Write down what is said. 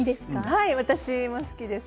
はい、私も好きです。